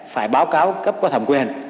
phải báo cáo cấp có thẩm quyền